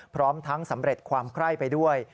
พร้อมทั้งสำเร็จความไคร้ไปด้วย